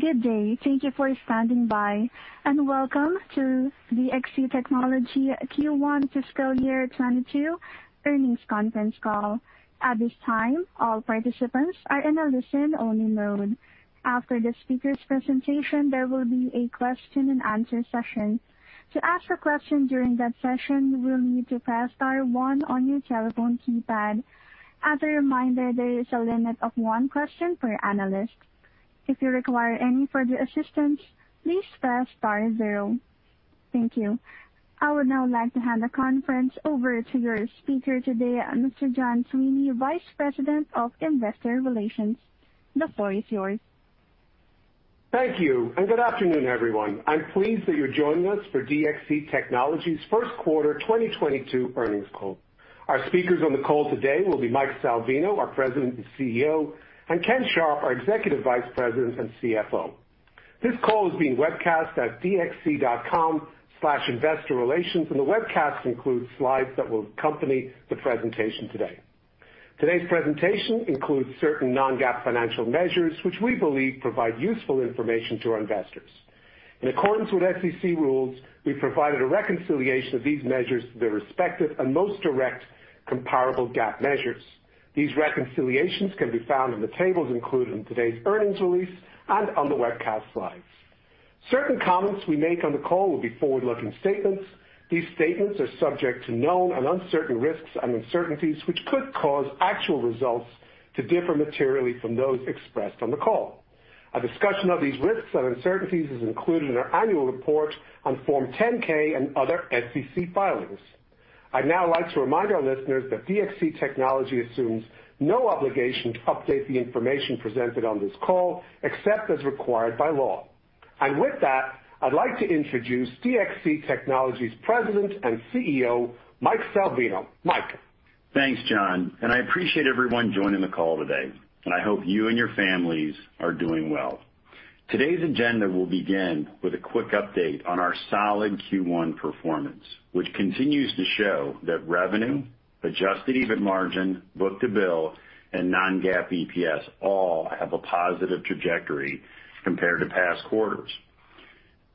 Good day. Thank you for standing by, and welcome to DXC Technology Q1 fiscal year 2022 earnings conference call. At this time, all participants are in a listen-only mode. After the speakers' presentation, there will be a question and answer session. To ask a question during that session you will need to press star one on your telephone keypad. As a reminder, there is a limit of one question per analyst. If you require any further assistance, please press star zero. Thank you. I would now like to hand the conference over to your speaker today, Mr. John Sweeney, Vice President of Investor Relations. The floor is yours. Thank you, good afternoon, everyone. I'm pleased that you're joining us for DXC Technology's first quarter 2022 earnings call. Our speakers on the call today will be Mike Salvino, our President and CEO, and Ken Sharp, our Executive Vice President and CFO. This call is being webcast at dxc.com/investorrelations, and the webcast includes slides that will accompany the presentation today. Today's presentation includes certain non-GAAP financial measures, which we believe provide useful information to our investors. In accordance with SEC rules, we provided a reconciliation of these measures to their respective and most direct comparable GAAP measures. These reconciliations can be found in the tables included in today's earnings release and on the webcast slides. Certain comments we make on the call will be forward-looking statements. These statements are subject to known and uncertain risks and uncertainties, which could cause actual results to differ materially from those expressed on the call. A discussion of these risks and uncertainties is included in our annual report on Form 10-K and other SEC filings. I'd now like to remind our listeners that DXC Technology assumes no obligation to update the information presented on this call, except as required by law. With that, I'd like to introduce DXC Technology's President and CEO, Mike Salvino. Mike? Thanks, John, and I appreciate everyone joining the call today. I hope you and your families are doing well. Today's agenda will begin with a quick update on our solid Q1 performance, which continues to show that revenue, adjusted EBIT margin, book-to-bill, and non-GAAP EPS all have a positive trajectory compared to past quarters.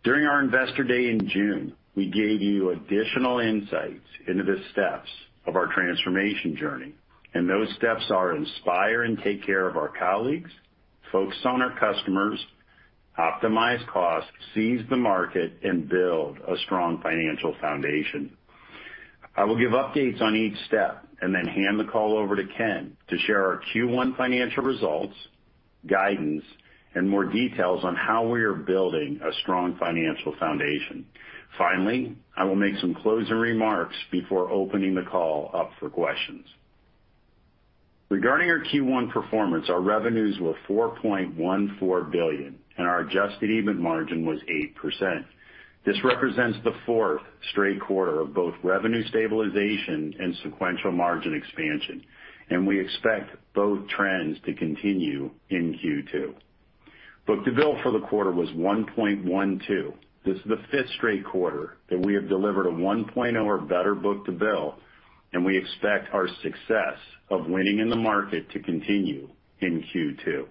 During our Investor Day in June, we gave you additional insights into the steps of our transformation journey, and those steps are inspire and take care of our colleagues, focus on our customers, optimize costs, seize the market, and build a strong financial foundation. I will give updates on each step and then hand the call over to Ken to share our Q1 financial results, guidance, and more details on how we are building a strong financial foundation. Finally, I will make some closing remarks before opening the call up for questions. Regarding our Q1 performance, our revenues were $4.14 billion, and our adjusted EBIT margin was 8%. This represents the fourth straight quarter of both revenue stabilization and sequential margin expansion, and we expect both trends to continue in Q2. Book-to-bill for the quarter was 1.12x. This is the fifth straight quarter that we have delivered a 1.0x or better book-to-bill, and we expect our success of winning in the market to continue in Q2.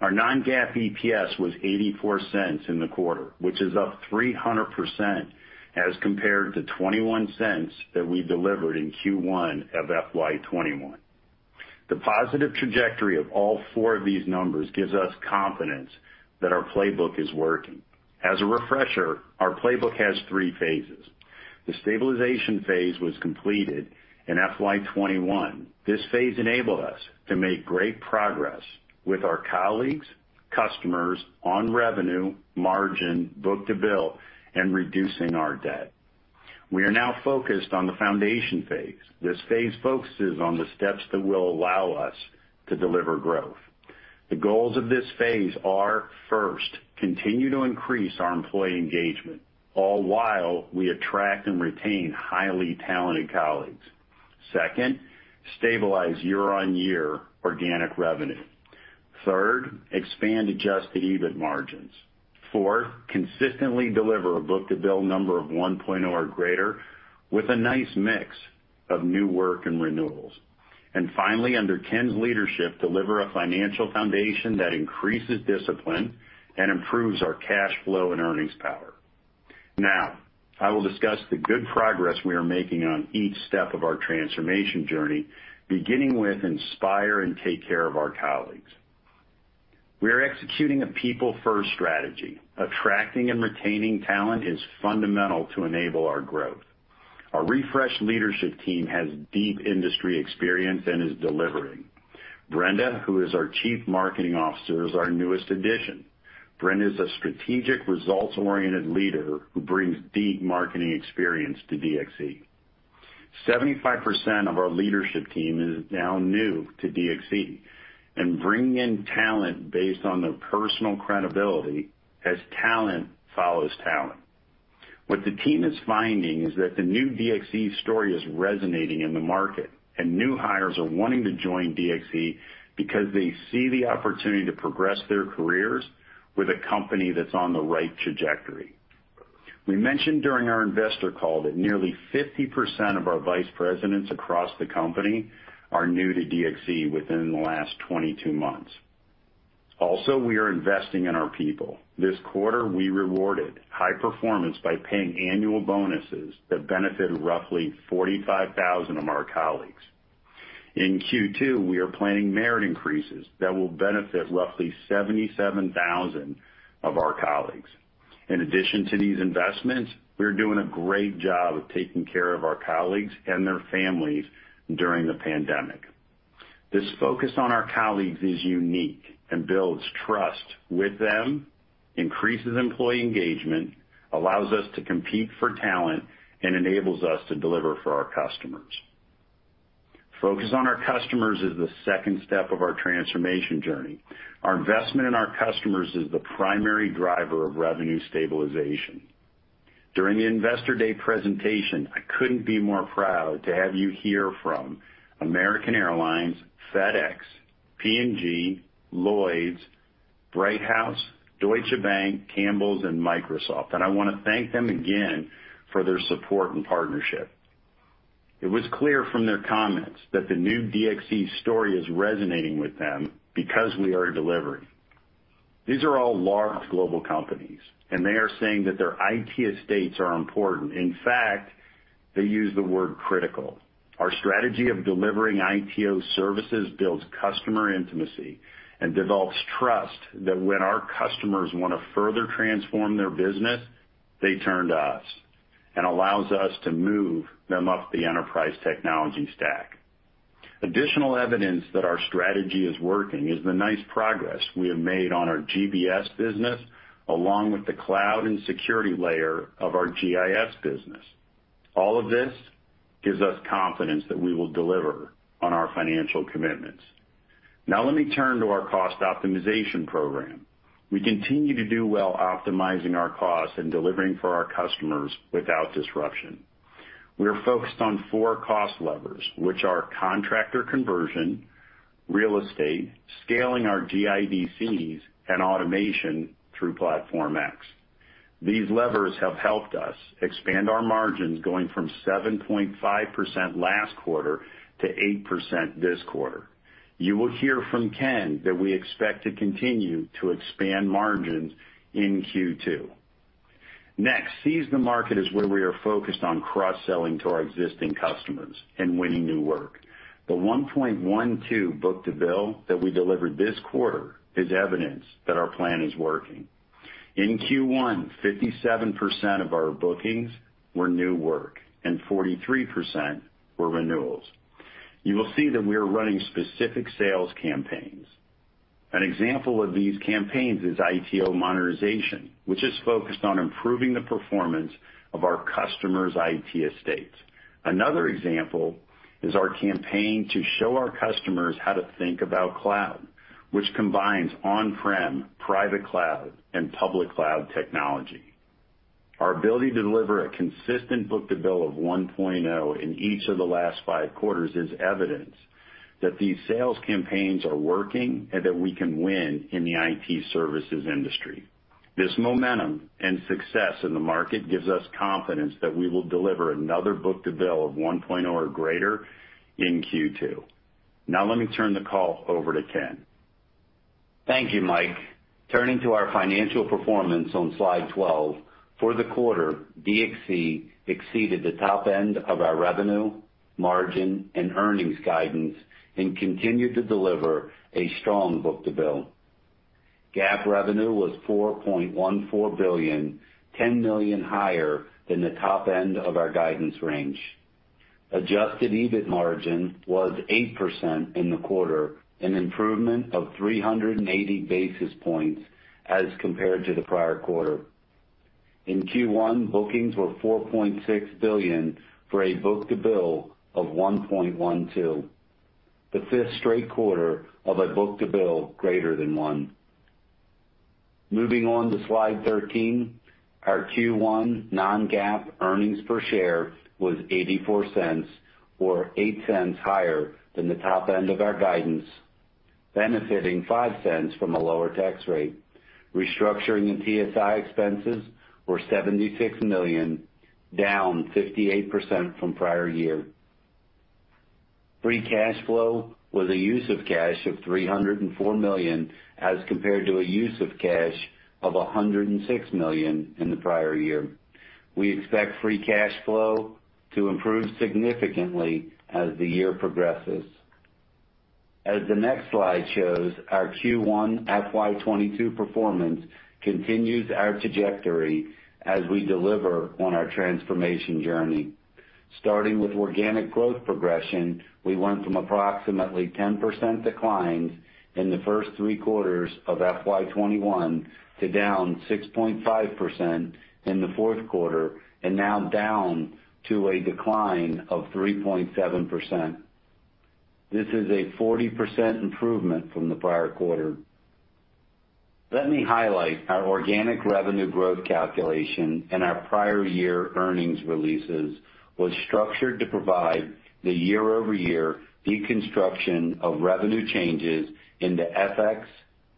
Our non-GAAP EPS was $0.84 in the quarter, which is up 300% as compared to $0.21 that we delivered in Q1 of FY 2021. The positive trajectory of all four of these numbers gives us confidence that our playbook is working. As a refresher, our playbook has three phases. The stabilization phase was completed in FY 2021. This phase enabled us to make great progress with our colleagues, customers, on revenue, margin, book-to-bill, and reducing our debt. We are now focused on the foundation phase. This phase focuses on the steps that will allow us to deliver growth. The goals of this phase are, first, continue to increase our employee engagement, all while we attract and retain highly talented colleagues. Second, stabilize year-on-year organic revenue. Third, expand adjusted EBIT margins. Four, consistently deliver a book-to-bill number of 1.0x or greater with a nice mix of new work and renewals. Finally, under Ken's leadership, deliver a financial foundation that increases discipline and improves our cash flow and earnings power. Now, I will discuss the good progress we are making on each step of our transformation journey, beginning with inspire and take care of our colleagues. We are executing a people-first strategy. Attracting and retaining talent is fundamental to enable our growth. Our refreshed leadership team has deep industry experience and is delivering. Brenda, who is our Chief Marketing Officer, is our newest addition. Brenda is a strategic results-oriented leader who brings deep marketing experience to DXC. 75% of our leadership team is now new to DXC and bringing in talent based on their personal credibility, as talent follows talent. What the team is finding is that the new DXC story is resonating in the market, and new hires are wanting to join DXC because they see the opportunity to progress their careers with a company that's on the right trajectory. We mentioned during our investor call that nearly 50% of our vice presidents across the company are new to DXC within the last 22 months. We are investing in our people. This quarter, we rewarded high performance by paying annual bonuses that benefited roughly 45,000 of our colleagues. In Q2, we are planning merit increases that will benefit roughly 77,000 of our colleagues. In addition to these investments, we're doing a great job of taking care of our colleagues and their families during the pandemic. This focus on our colleagues is unique and builds trust with them, increases employee engagement, allows us to compete for talent, and enables us to deliver for our customers. Focus on our customers is the second step of our transformation journey. Our investment in our customers is the primary driver of revenue stabilization. During the Investor Day presentation, I couldn't be more proud to have you hear from American Airlines, FedEx, P&G, Lloyds, Brighthouse, Deutsche Bank, Campbell's, and Microsoft, and I want to thank them again for their support and partnership. It was clear from their comments that the new DXC story is resonating with them because we are delivering. These are all large global companies, and they are saying that their IT estates are important. In fact, they use the word critical. Our strategy of delivering ITO services builds customer intimacy and develops trust that when our customers want to further transform their business, they turn to us and allows us to move them up the enterprise technology stack. Additional evidence that our strategy is working is the nice progress we have made on our GBS business, along with the Cloud and Security layer of our GIS business. All of this gives us confidence that we will deliver on our financial commitments. Now let me turn to our cost optimization program. We continue to do well optimizing our costs and delivering for our customers without disruption. We are focused on four cost levers, which are contractor conversion, real estate, scaling our GIDCs, and automation through Platform X. These levers have helped us expand our margins going from 7.5% last quarter to 8% this quarter. You will hear from Ken that we expect to continue to expand margins in Q2. Seize the market is where we are focused on cross-selling to our existing customers and winning new work. The 1.12x book-to-bill that we delivered this quarter is evidence that our plan is working. In Q1, 57% of our bookings were new work and 43% were renewals. You will see that we are running specific sales campaigns. An example of these campaigns is ITO monetization, which is focused on improving the performance of our customers' IT estates. Another example is our campaign to show our customers how to think about cloud, which combines on-prem, private cloud, and public cloud technology. Our ability to deliver a consistent book-to-bill of 1.0x in each of the last five quarters is evidence that these sales campaigns are working and that we can win in the IT services industry. This momentum and success in the market gives us confidence that we will deliver another book-to-bill of 1.0x or greater in Q2. Now let me turn the call over to Ken. Thank you, Mike. Turning to our financial performance on slide 12, for the quarter, DXC exceeded the top end of our revenue, margin, and earnings guidance and continued to deliver a strong book-to-bill. GAAP revenue was $4.14 billion, $10 million higher than the top end of our guidance range. Adjusted EBIT margin was 8% in the quarter, an improvement of 380 basis points as compared to the prior quarter. In Q1, bookings were $4.6 billion for a book-to-bill of 1.12x, the fifth straight quarter of a book-to-bill greater than 1x. Moving on to slide 13, our Q1 non-GAAP earnings per share was $0.84, or $0.08 higher than the top end of our guidance, benefiting $0.05 from a lower tax rate. Restructuring and TSI expenses were $76 million, down 58% from prior year. Free cash flow was a use of cash of $304 million as compared to a use of cash of $106 million in the prior year. We expect free cash flow to improve significantly as the year progresses. As the next slide shows, our Q1 FY 2022 performance continues our trajectory as we deliver on our transformation journey. Starting with organic growth progression, we went from approximately 10% declines in the first three quarters of FY 2021 to down 6.5% in the fourth quarter, and now down to a decline of 3.7%. This is a 40% improvement from the prior quarter. Let me highlight our organic revenue growth calculation and our prior year earnings releases was structured to provide the year-over-year deconstruction of revenue changes into FX,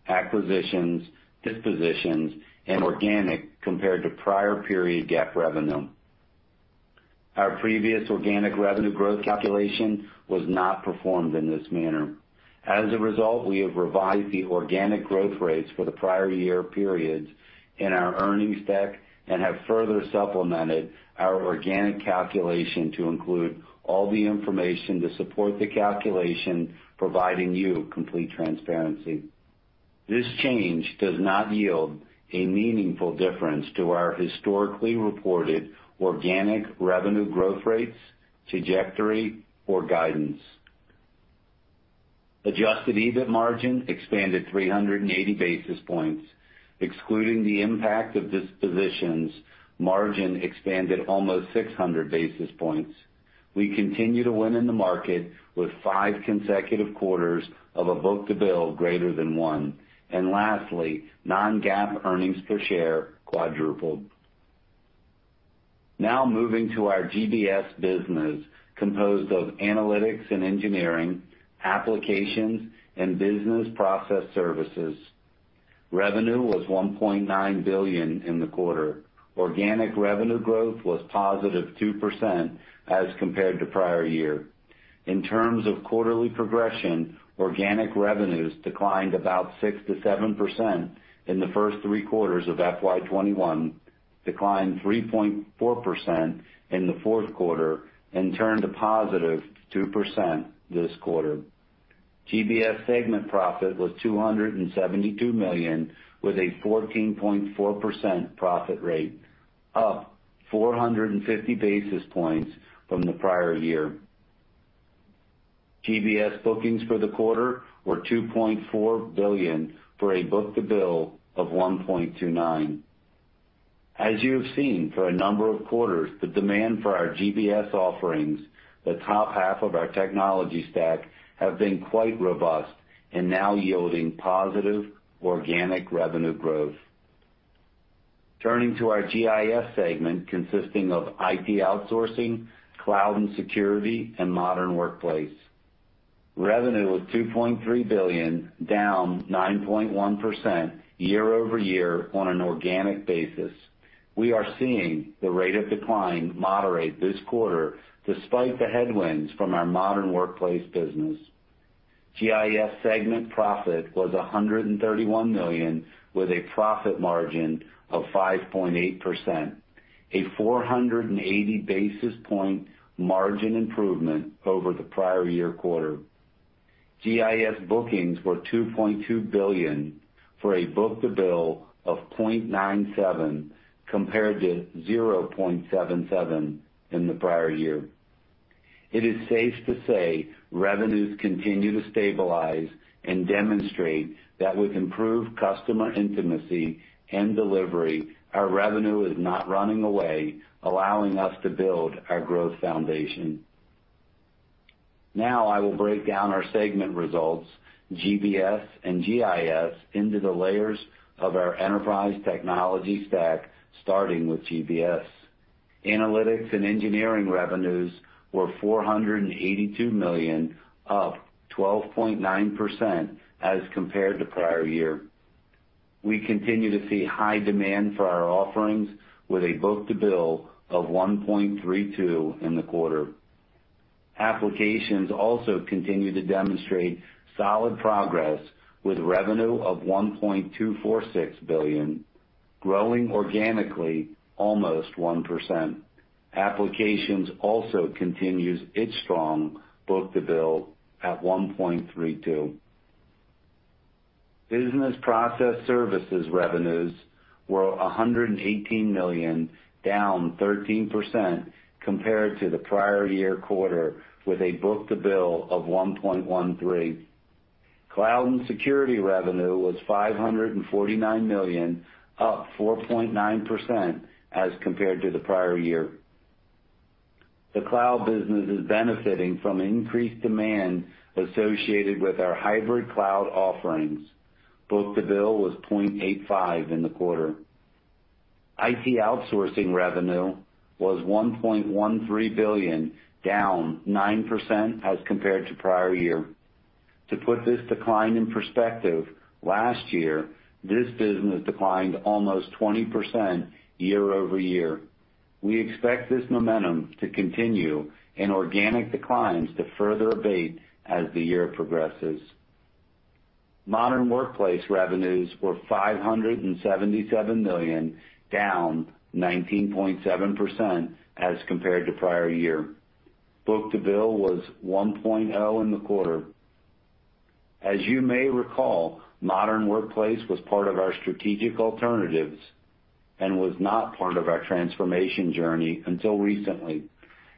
acquisitions, dispositions, and organic compared to prior period GAAP revenue. Our previous organic revenue growth calculation was not performed in this manner. As a result, we have revised the organic growth rates for the prior year periods in our earnings deck and have further supplemented our organic calculation to include all the information to support the calculation, providing you complete transparency. This change does not yield a meaningful difference to our historically reported organic revenue growth rates, trajectory, or guidance. Adjusted EBIT margin expanded 380 basis points. Excluding the impact of dispositions, margin expanded almost 600 basis points. We continue to win in the market with five consecutive quarters of a book-to-bill greater than 1x. Lastly, non-GAAP earnings per share quadrupled. Moving to our GBS business, composed of Analytics and Engineering, Applications, and Business Process Services. Revenue was $1.9 billion in the quarter. Organic revenue growth was +2% as compared to prior year. In terms of quarterly progression, organic revenues declined about 6%-7% in the first three quarters of FY 2021, declined 3.4% in the fourth quarter, and turned a +2% this quarter. GBS segment profit was $272 million, with a 14.4% profit rate, up 450 basis points from the prior year. GBS bookings for the quarter were $2.4 billion, for a book-to-bill of 1.29x. As you have seen for a number of quarters, the demand for our GBS offerings, the top half of our technology stack, have been quite robust and now yielding positive organic revenue growth. Turning to our GIS segment, consisting of IT Outsourcing, Cloud and Security, and Modern Workplace. Revenue was $2.3 billion, down 9.1% year-over-year on an organic basis. We are seeing the rate of decline moderate this quarter despite the headwinds from our Modern Workplace business. GIS segment profit was $131 million, with a profit margin of 5.8%, a 480 basis point margin improvement over the prior year quarter. GIS bookings were $2.2 billion for a book-to-bill of 0.97x compared to 0.77x in the prior year. It is safe to say revenues continue to stabilize and demonstrate that with improved customer intimacy and delivery, our revenue is not running away, allowing us to build our growth foundation. I will break down our segment results, GBS and GIS, into the layers of our enterprise technology stack, starting with GBS. Analytics and Engineering revenues were $482 million, up 12.9% as compared to prior year. We continue to see high demand for our offerings with a book-to-bill of 1.32x in the quarter. Applications also continue to demonstrate solid progress, with revenue of $1.246 billion, growing organically almost 1%. Applications also continues its strong book-to-bill at 1.32x. Business Process Services revenues were $118 million, down 13% compared to the prior year quarter, with a book-to-bill of 1.13x. Cloud and Security revenue was $549 million, up 4.9% as compared to the prior year. The cloud business is benefiting from increased demand associated with our hybrid cloud offerings. Book-to-bill was 0.85x in the quarter. IT Outsourcing revenue was $1.13 billion, down 9% as compared to prior year. To put this decline in perspective, last year, this business declined almost 20% year-over-year. We expect this momentum to continue and organic declines to further abate as the year progresses. Modern Workplace revenues were $577 million, down 19.7% as compared to prior year. Book-to-bill was 1.0x in the quarter. As you may recall, Modern Workplace was part of our strategic alternatives and was not part of our transformation journey until recently.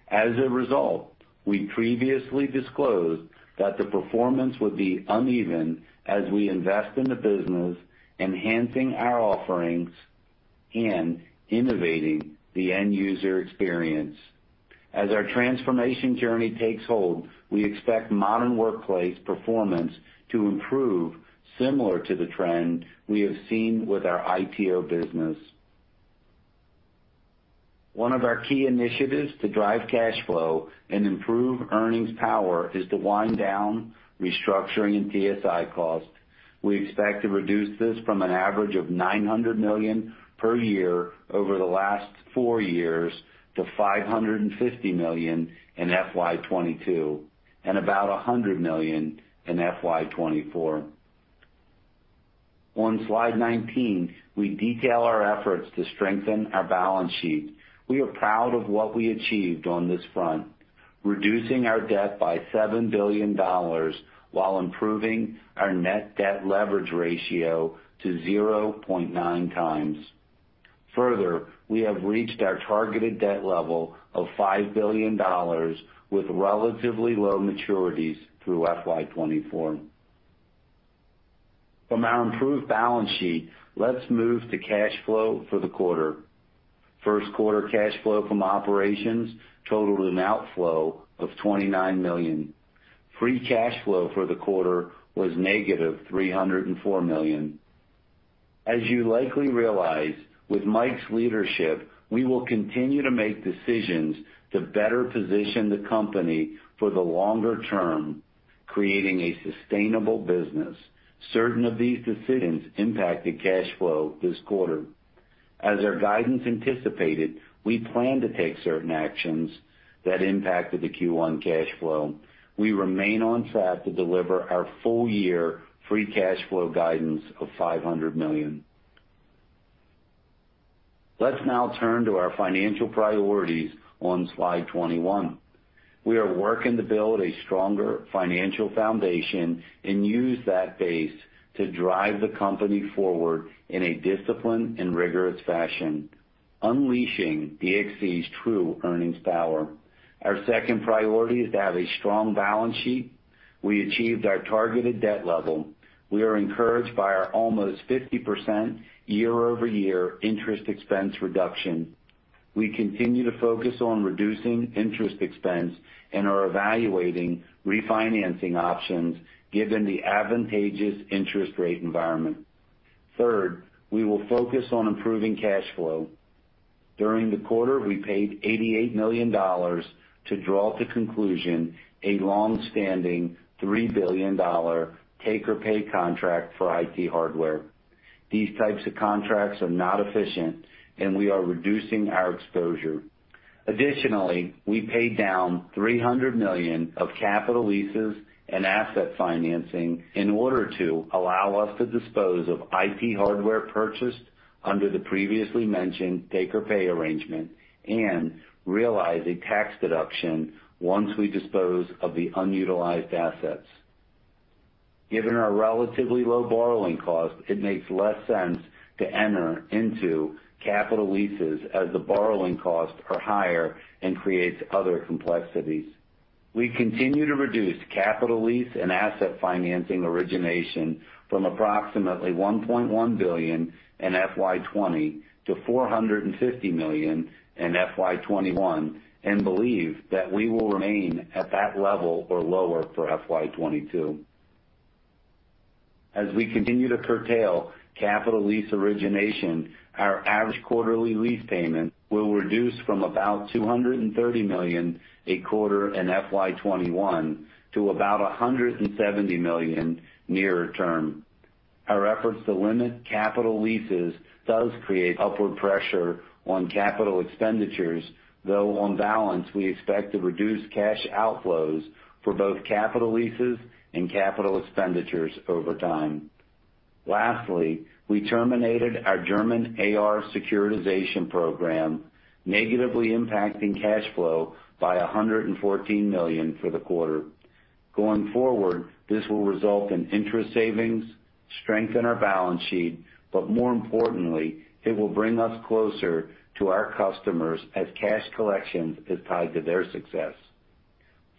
As a result, we previously disclosed that the performance would be uneven as we invest in the business, enhancing our offerings and innovating the end user experience. As our transformation journey takes hold, we expect Modern Workplace performance to improve similar to the trend we have seen with our ITO business. One of our key initiatives to drive cash flow and improve earnings power is to wind down restructuring and TSI costs. We expect to reduce this from an average of $900 million per year over the last four years to $550 million in FY 2022, and about $100 million in FY 2024. On slide 19, we detail our efforts to strengthen our balance sheet. We are proud of what we achieved on this front, reducing our debt by $7 billion while improving our net debt leverage ratio to 0.9x. Further, we have reached our targeted debt level of $5 billion with relatively low maturities through FY 2024. From our improved balance sheet, let's move to cash flow for the quarter. First quarter cash flow from operations totaled an outflow of $29 million. Free cash flow for the quarter was -$304 million. As you likely realize, with Mike's leadership, we will continue to make decisions to better position the company for the longer term, creating a sustainable business. Certain of these decisions impacted cash flow this quarter. As our guidance anticipated, we plan to take certain actions that impacted the Q1 cash flow. We remain on track to deliver our full year free cash flow guidance of $500 million. Let's now turn to our financial priorities on slide 21. We are working to build a stronger financial foundation and use that base to drive the company forward in a disciplined and rigorous fashion, unleashing DXC's true earnings power. Our second priority is to have a strong balance sheet. We achieved our targeted debt level. We are encouraged by our almost 50% year-over-year interest expense reduction. We continue to focus on reducing interest expense and are evaluating refinancing options given the advantageous interest rate environment. Third, we will focus on improving cash flow. During the quarter, we paid $88 million to draw to conclusion a long-standing $3 billion take-or-pay contract for IT hardware. These types of contracts are not efficient, and we are reducing our exposure. Additionally, we paid down $300 million of capital leases and asset financing in order to allow us to dispose of IT hardware purchased under the previously mentioned take-or-pay arrangement and realize a tax deduction once we dispose of the unutilized assets. Given our relatively low borrowing cost, it makes less sense to enter into capital leases, as the borrowing costs are higher and creates other complexities. We continue to reduce capital lease and asset financing origination from approximately $1.1 billion in FY 2020 to $450 million in FY 2021, and believe that we will remain at that level or lower for FY 2022. As we continue to curtail capital lease origination, our average quarterly lease payment will reduce from about $230 million a quarter in FY 2021 to about $170 million nearer term. Our efforts to limit capital leases does create upward pressure on capital expenditures, though on balance, we expect to reduce cash outflows for both capital leases and capital expenditures over time. Lastly, we terminated our German AR Securitization program, negatively impacting cash flow by $114 million for the quarter. Going forward, this will result in interest savings, strengthen our balance sheet, but more importantly, it will bring us closer to our customers as cash collection is tied to their success.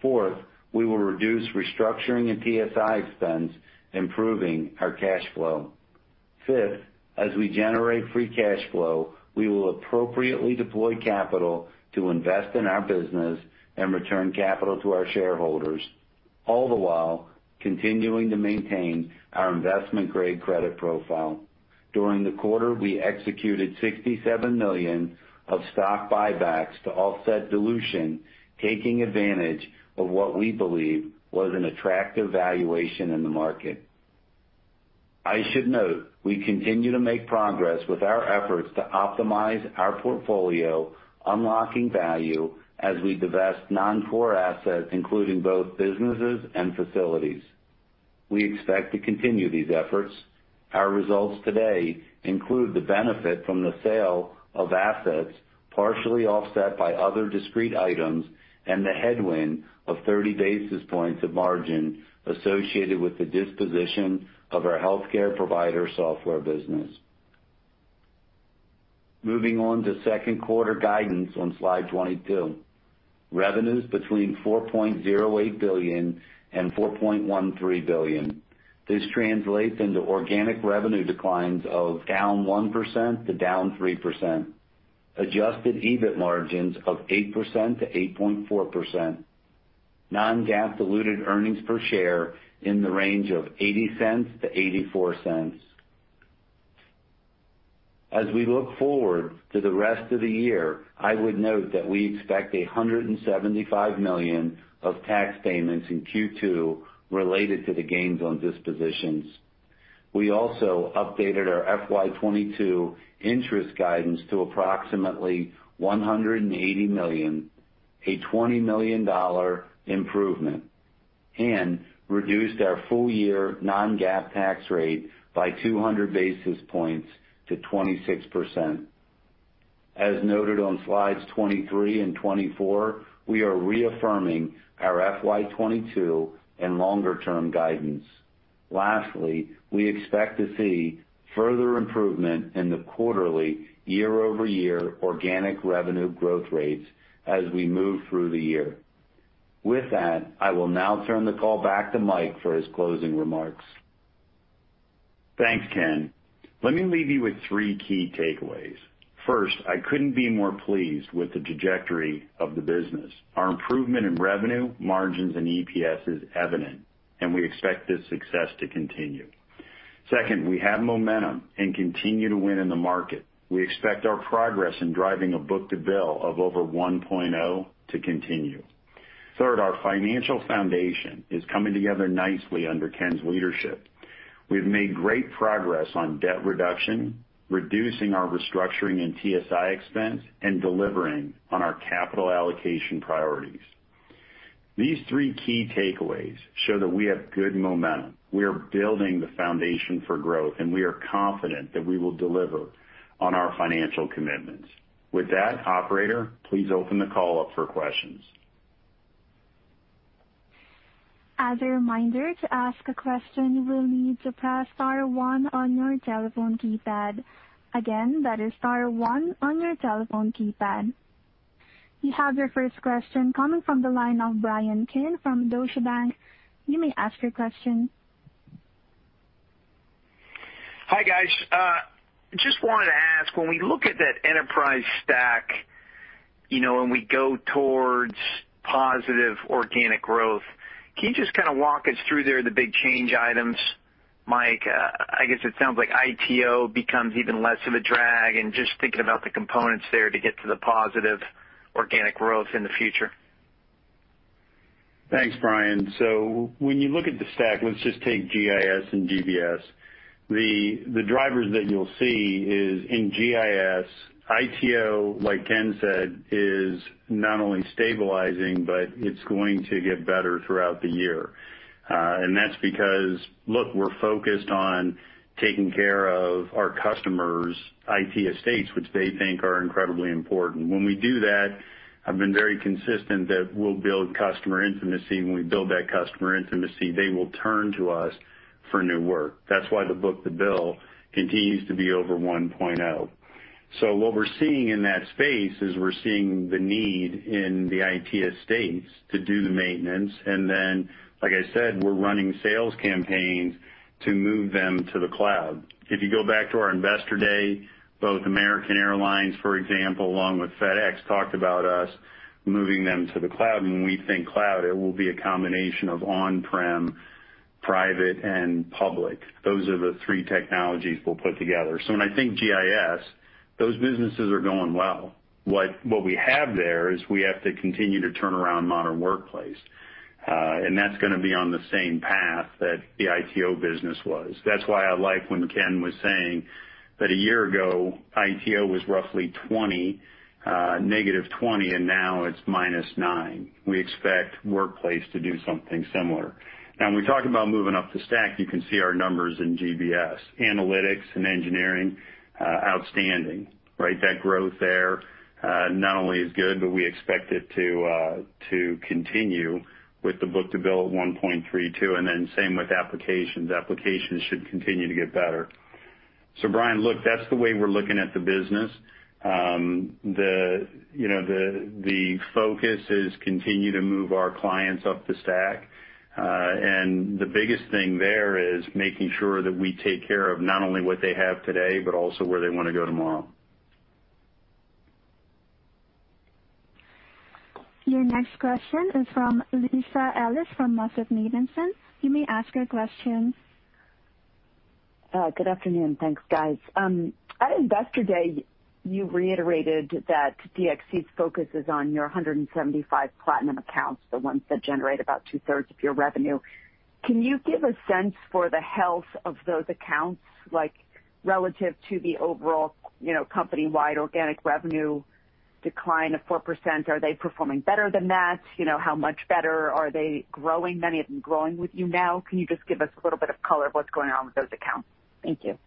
Fourth, we will reduce restructuring and TSI expense, improving our cash flow. Fifth, as we generate free cash flow, we will appropriately deploy capital to invest in our business and return capital to our shareholders, all the while continuing to maintain our investment-grade credit profile. During the quarter, we executed $67 million of stock buybacks to offset dilution, taking advantage of what we believe was an attractive valuation in the market. I should note, we continue to make progress with our efforts to optimize our portfolio, unlocking value as we divest non-core assets, including both businesses and facilities. We expect to continue these efforts. Our results today include the benefit from the sale of assets, partially offset by other discrete items and the headwind of 30 basis points of margin associated with the disposition of our healthcare provider software business. Moving on to second quarter guidance on slide 22. Revenues between $4.08 billion and $4.13 billion. This translates into organic revenue declines of down 1% to down 3%. Adjusted EBIT margins of 8%-8.4%. Non-GAAP diluted earnings per share in the range of $0.80-$0.84. As we look forward to the rest of the year, I would note that we expect $175 million of tax payments in Q2 related to the gains on dispositions. We also updated our FY 2022 interest guidance to approximately $180 million, a $20 million improvement, and reduced our full year non-GAAP tax rate by 200 basis points to 26%. As noted on slides 23 and 24, we are reaffirming our FY 2022 and longer-term guidance. Lastly, we expect to see further improvement in the quarterly year-over-year organic revenue growth rates as we move through the year. With that, I will now turn the call back to Mike for his closing remarks. Thanks, Ken. Let me leave you with three key takeaways. First, I couldn't be more pleased with the trajectory of the business. Our improvement in revenue, margins, and EPS is evident, and we expect this success to continue. Second, we have momentum and continue to win in the market. We expect our progress in driving a book-to-bill of over 1.0x to continue. Third, our financial foundation is coming together nicely under Ken's leadership. We have made great progress on debt reduction, reducing our restructuring and TSI expense, and delivering on our capital allocation priorities. These three key takeaways show that we have good momentum. We are building the foundation for growth, and we are confident that we will deliver on our financial commitments. With that, operator, please open the call up for questions. You have your first question coming from the line of Bryan Keane from Deutsche Bank. You may ask your question. Hi, guys. Just wanted to ask, when we look at that enterprise stack, when we go towards positive organic growth, can you just walk us through there the big change items, Mike? I guess it sounds like ITO becomes even less of a drag, and just thinking about the components there to get to the positive organic growth in the future. Thanks, Bryan. When you look at the stack, let's just take GIS and GBS. The drivers that you'll see is in GIS, ITO, like Ken said, is not only stabilizing, but it's going to get better throughout the year. That's because, look, we're focused on taking care of our customers' IT estates, which they think are incredibly important. When we do that, I've been very consistent that we'll build customer intimacy. When we build that customer intimacy, they will turn to us for new work. That's why the book-to-bill continues to be over 1.0x. What we're seeing in that space is we're seeing the need in the IT estates to do the maintenance, and then, like I said, we're running sales campaigns to move them to the cloud. If you go back to our Investor Day, both American Airlines, for example, along with FedEx, talked about us moving them to the cloud. When we think cloud, it will be a combination of on-prem, private, and public. Those are the three technologies we'll put together. When I think GIS, those businesses are going well. What we have there is we have to continue to turn around Modern Workplace. That's going to be on the same path that the ITO business was. That's why I like when Ken was saying that a year ago, ITO was roughly -20%, and now it's -9%. We expect Workplace to do something similar. When we talk about moving up the stack, you can see our numbers in GBS. Analytics and Engineering, outstanding, right? That growth there not only is good, but we expect it to continue with the book-to-bill at 1.32x, and then same with Applications. Applications should continue to get better. Bryan, look, that's the way we're looking at the business. The focus is continue to move our clients up the stack. The biggest thing there is making sure that we take care of not only what they have today, but also where they want to go tomorrow. Your next question is from Lisa Ellis from MoffettNathanson. You may ask your question. Good afternoon. Thanks, guys. At Investor Day, you reiterated that DXC's focus is on your 175 platinum accounts, the ones that generate about 2/3 of your revenue. Can you give a sense for the health of those accounts, like relative to the overall company-wide organic revenue decline of 4%? Are they performing better than that? How much better? Are they growing, many of them growing with you now? Can you just give us a little bit of color of what's going on with those accounts? Thank you.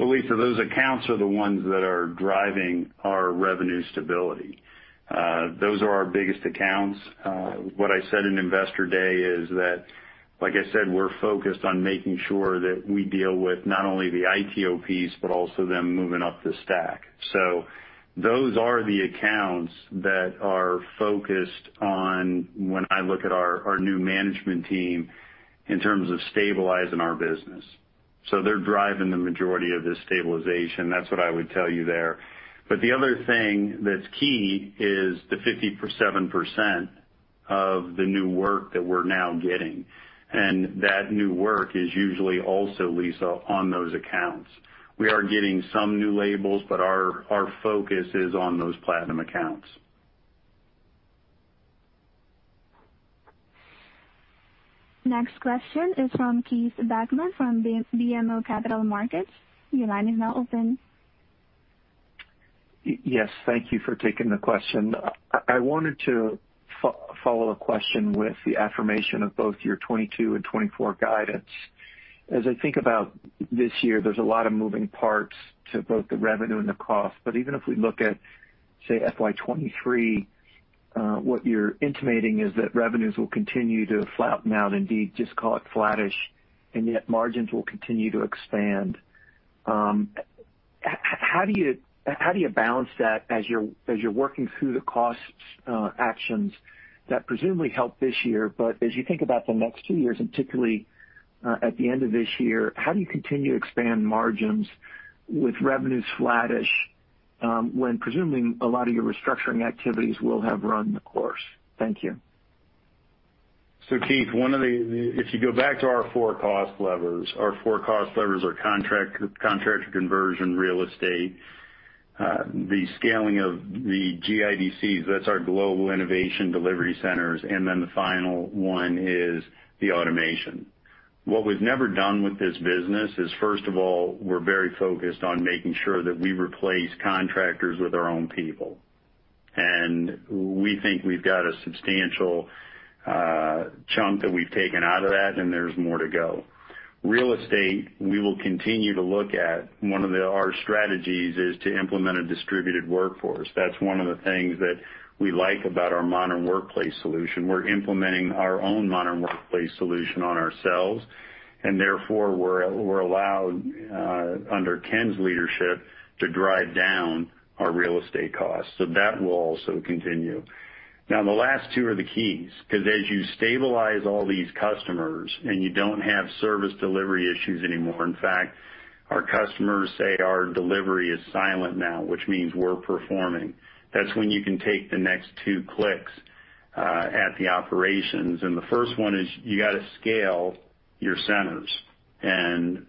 Lisa, those accounts are the ones that are driving our revenue stability. Those are our biggest accounts. What I said in Investor Day is that, like I said, we're focused on making sure that we deal with not only the ITO piece, but also them moving up the stack. Those are the accounts that are focused on when I look at our new management team in terms of stabilizing our business. They're driving the majority of this stabilization. That's what I would tell you there. The other thing that's key is the 57% of the new work that we're now getting, and that new work is usually also, Lisa, on those accounts. We are getting some new labels, but our focus is on those platinum accounts. Next question is from Keith Bachman from BMO Capital Markets. Your line is now open. Yes. Thank you for taking the question. I wanted to follow a question with the affirmation of both your FY 2022 and FY 2024 guidance. As I think about this year, there's a lot of moving parts to both the revenue and the cost. Even if we look at, say, FY 2023, what you're intimating is that revenues will continue to flatten out, indeed, just call it flattish, and yet margins will continue to expand. How do you balance that as you're working through the cost actions that presumably help this year, but as you think about the next two years, and particularly, at the end of this year, how do you continue to expand margins with revenues flattish, when presuming a lot of your restructuring activities will have run the course? Thank you. Keith, if you go back to our four cost levers, our four cost levers are contractor conversion real estate, the scaling of the GIDC, that's our Global Innovation Delivery Centers, and then the final one is the automation. What we've never done with this business is, first of all, we're very focused on making sure that we replace contractors with our own people. We think we've got a substantial chunk that we've taken out of that, and there's more to go. Real estate, we will continue to look at. One of our strategies is to implement a distributed workforce. That's one of the things that we like about our Modern Workplace solution. We're implementing our own Modern Workplace solution on ourselves, and therefore, we're allowed, under Ken's leadership, to drive down our real estate costs. That will also continue. The last two are the keys, because as you stabilize all these customers and you don't have service delivery issues anymore, in fact, our customers say our delivery is silent now, which means we're performing. That's when you can take the next two clicks at the operations. The first one is you got to scale your centers. In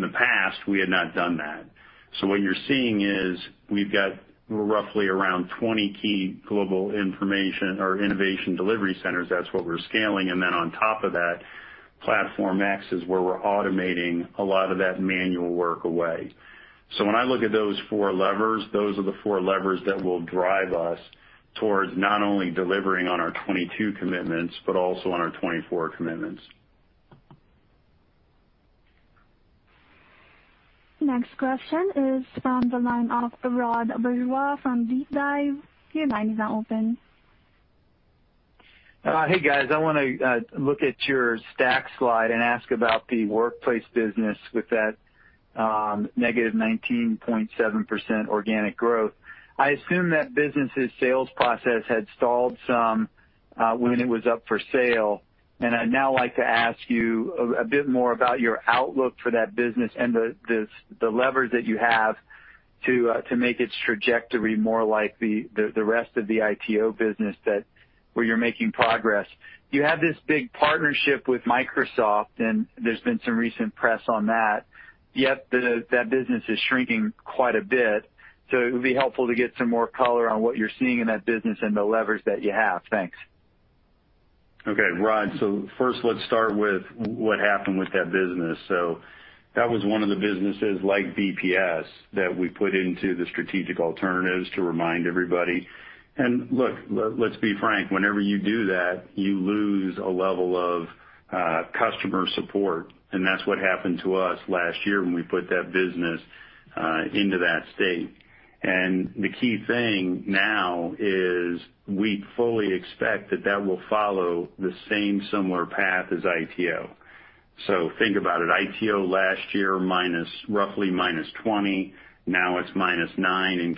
the past, we had not done that. What you're seeing is we've got roughly around 20 key Global Innovation Delivery Centers. That's what we're scaling. On top of that, Platform X is where we're automating a lot of that manual work away. When I look at those four levers, those are the four levers that will drive us towards not only delivering on our 2022 commitments, but also on our 2024 commitments. Next question is from the line of Rod Bourgeois from DeepDive. Hey, guys. I want to look at your stack slide and ask about the Modern Workplace with that -19.7% organic growth. I assume that business's sales process had stalled some when it was up for sale. I'd now like to ask you a bit more about your outlook for that business and the levers that you have to make its trajectory more like the rest of the ITO where you're making progress. You have this big partnership with Microsoft, and there's been some recent press on that. Yet that business is shrinking quite a bit. It would be helpful to get some more color on what you're seeing in that business and the levers that you have. Thanks. Okay, Rod. First, let's start with what happened with that business. That was one of the businesses like BPS that we put into the strategic alternatives to remind everybody. Look, let's be frank, whenever you do that, you lose a level of customer support, and that's what happened to us last year when we put that business into that state. The key thing now is we fully expect that that will follow the same similar path as ITO. Think about it. ITO last year, roughly -20%. Now it's -9% and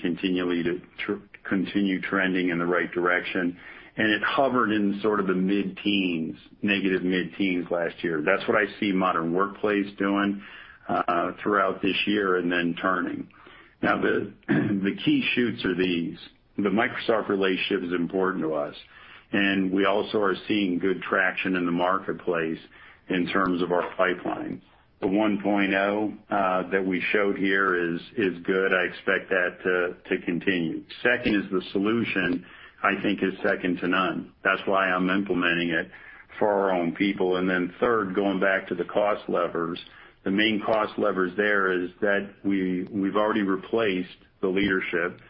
continue trending in the right direction. It hovered in sort of the negative mid-teens last year. That's what I see Modern Workplace doing throughout this year and then turning. The key shoots are these. The Microsoft relationship is important to us, and we also are seeing good traction in the marketplace in terms of our pipeline. The 1.0x that we showed here is good. I expect that to continue. Second is the solution, I think is second to none. That's why I'm implementing it for our own people. Third, going back to the cost levers. The main cost levers there is that we've already replaced the leadership.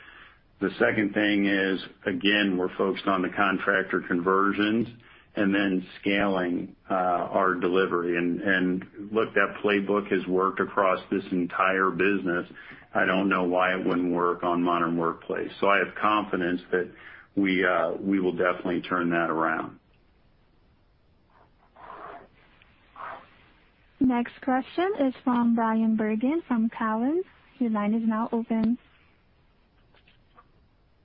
The second thing is, again, we're focused on the contractor conversions and then scaling our delivery. Look, that playbook has worked across this entire business. I don't know why it wouldn't work on Modern Workplace. I have confidence that we will definitely turn that around. Next question is from Bryan Bergin from Cowen. Your line is now open.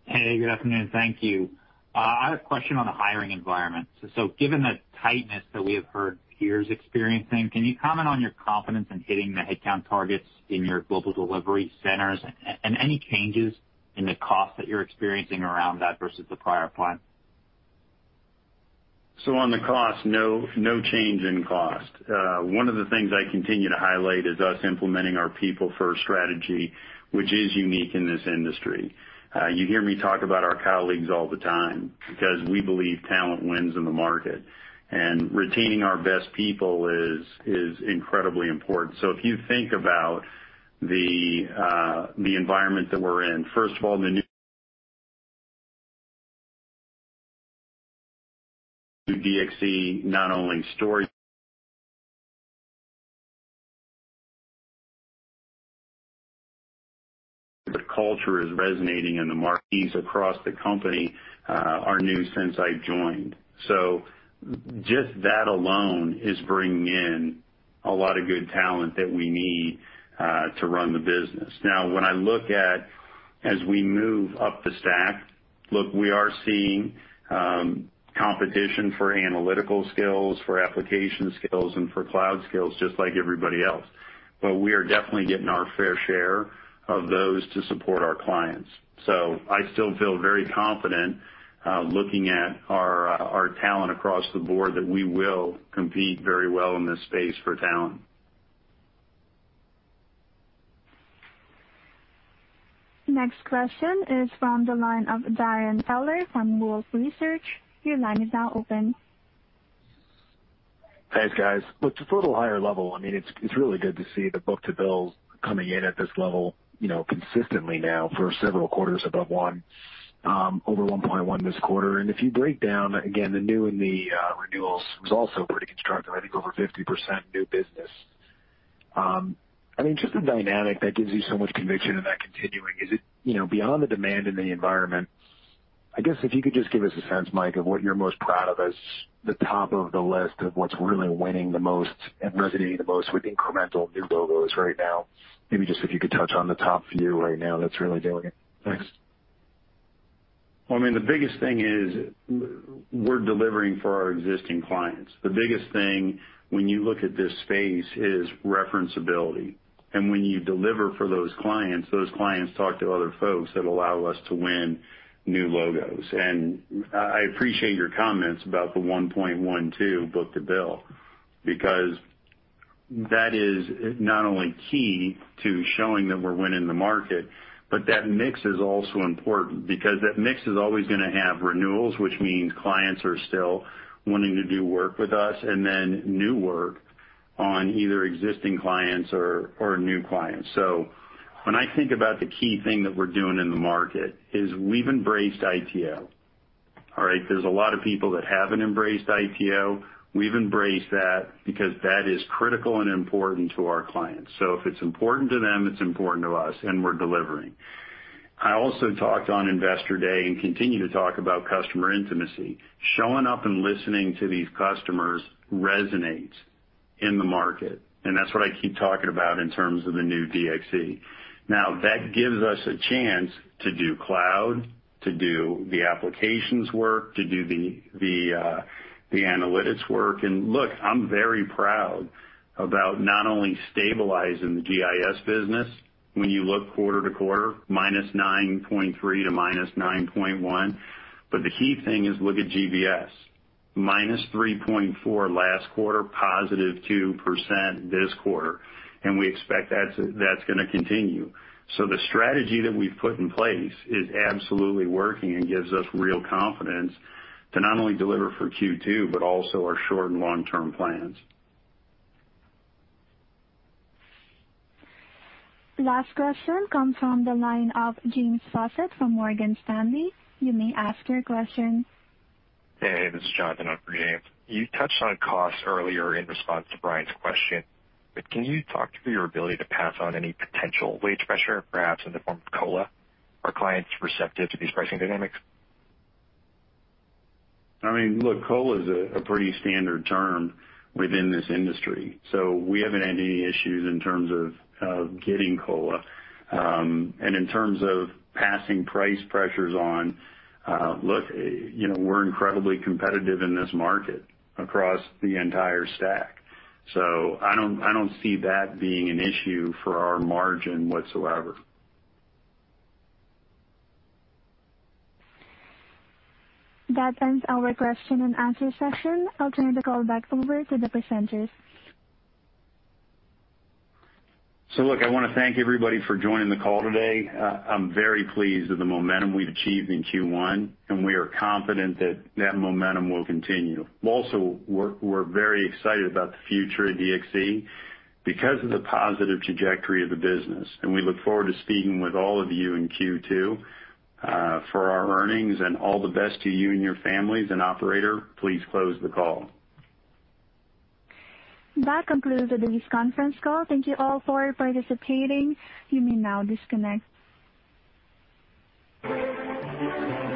Hey, good afternoon. Thank you. I have a question on the hiring environment. Given the tightness that we have heard peers experiencing, can you comment on your confidence in hitting the headcount targets in your global delivery centers, and any changes in the cost that you're experiencing around that versus the prior plan? On the cost, no change in cost. One of the things I continue to highlight is us implementing our people-first strategy, which is unique in this industry. You hear me talk about our colleagues all the time because we believe talent wins in the market, and retaining our best people is incredibly important. If you think about the environment that we're in, first of all, the new DXC not only the culture is resonating in the marquees across the company are new since I joined. Just that alone is bringing in a lot of good talent that we need to run the business. When I look at as we move up the stack, look, we are seeing competition for analytical skills, for application skills, and for cloud skills just like everybody else. We are definitely getting our fair share of those to support our clients. I still feel very confident, looking at our talent across the board, that we will compete very well in this space for talent. Next question is from the line of Darrin Peller from Wolfe Research. Your line is now open. Thanks, guys. Look, just a little higher level, it's really good to see the book-to-bill coming in at this level consistently now for several quarters above 1x, over 1.1x this quarter. If you break down again, the new and the renewals was also pretty constructive, I think over 50% new business. Just the dynamic that gives you so much conviction in that continuing, is it beyond the demand in the environment? I guess if you could just give us a sense, Mike, of what you're most proud of as the top of the list of what's really winning the most and resonating the most with incremental new logos right now. Maybe just if you could touch on the top few right now that's really doing it. Thanks. The biggest thing is we're delivering for our existing clients. The biggest thing when you look at this space is referenceability. When you deliver for those clients, those clients talk to other folks that allow us to win new logos. I appreciate your comments about the 1.12x book-to-bill, because that is not only key to showing that we're winning the market, but that mix is also important because that mix is always going to have renewals, which means clients are still wanting to do work with us, and then new work on either existing clients or new clients. When I think about the key thing that we're doing in the market is we've embraced ITO. All right? There's a lot of people that haven't embraced ITO. We've embraced that because that is critical and important to our clients. If it's important to them, it's important to us, and we're delivering. I also talked on Investor Day and continue to talk about customer intimacy. Showing up and listening to these customers resonates in the market, and that's what I keep talking about in terms of the new DXC. Now, that gives us a chance to do cloud, to do the applications work, to do the analytics work. Look, I'm very proud about not only stabilizing the GIS business, when you look quarter-to-quarter, -9.3% to -9.1%, but the key thing is look at GBS, -3.4% last quarter, +2% this quarter, and we expect that's going to continue. The strategy that we've put in place is absolutely working and gives us real confidence to not only deliver for Q2, but also our short and long-term plans. Last question comes from the line of James Faucette from Morgan Stanley. You may ask your question. Hey, this is Jonathan on for James. You touched on costs earlier in response to Bryan's question, but can you talk to your ability to pass on any potential wage pressure, perhaps in the form of COLA? Are clients receptive to these pricing dynamics? Look, COLA is a pretty standard term within this industry, so we haven't had any issues in terms of getting COLA. In terms of passing price pressures on, look, we're incredibly competitive in this market across the entire stack. I don't see that being an issue for our margin whatsoever. That ends our question and answer session. I'll turn the call back over to the presenters. Look, I want to thank everybody for joining the call today. I'm very pleased with the momentum we've achieved in Q1, and we are confident that that momentum will continue. Also, we're very excited about the future of DXC because of the positive trajectory of the business, and we look forward to speaking with all of you in Q2 for our earnings. All the best to you and your families. Operator, please close the call. That concludes today's conference call. Thank you all for participating. You may now disconnect.